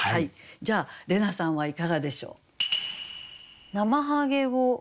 じゃあ怜奈さんはいかがでしょう？